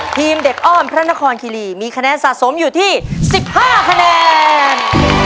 ทีมเด็กอ้อนพระนครคิรีมีคะแนนสะสมอยู่ที่๑๕คะแนน